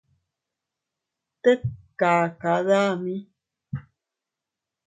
Tet kaka dami.